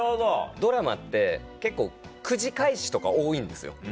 ドラマって結構９時開始とか多いんですよ。